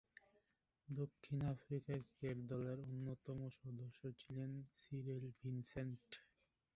দক্ষিণ Africa cricket দলের অন্যতম সদস্য ছিলেন সিরিল ভিনসেন্ট।